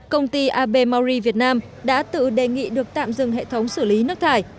công ty ab mauri việt nam đã tự đề nghị được tạm dừng hệ thống xử lý nước thải